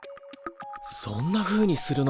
そんなふうにするのか！